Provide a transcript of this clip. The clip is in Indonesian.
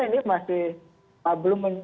ini masih belum